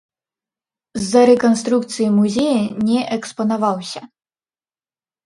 З-за рэканструкцыі музея не экспанаваўся.